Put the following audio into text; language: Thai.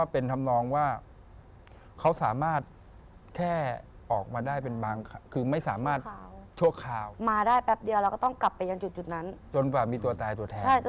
เป็นเรื่องแปลกที่ว่า